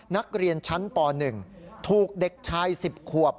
นักเรียนชั้นป๑ถูกเด็กชาย๑๐ขวบ